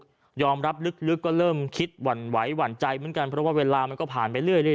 ได้ยอมรับและรักลึกเริ่มห่วงเหว่นใจเพราะเวลาก็ผ่ายได้ไปเรื่อย